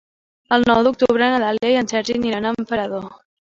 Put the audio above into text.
El nou d'octubre na Dàlia i en Sergi aniran a Emperador.